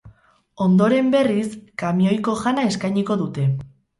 Ondoren berriz, kamioiko jana eskainiko dute.